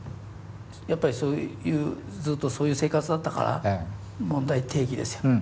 やっぱりずっとそういう生活だったから問題提起ですよ。